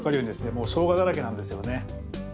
もう生姜だらけなんですよね。